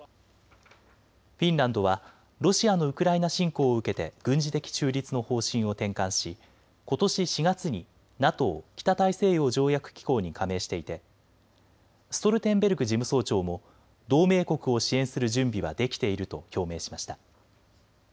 フィンランドはロシアのウクライナ侵攻を受けて軍事的中立の方針を転換しことし４月にＮＡＴＯ・北大西洋条約機構に加盟していてストルテンベルグ事務総長も同盟国を支援する準備はできていると表明しました。